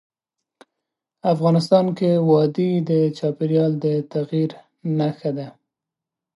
افغانستان کې وادي د چاپېریال د تغیر نښه ده.